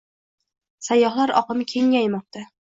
Sayyohlar oqimi kengaymoqda